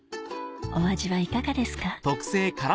お味はいかがですか？